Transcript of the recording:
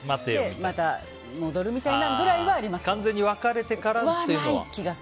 また戻るみたいなくらいは完全に忘れてからというのは？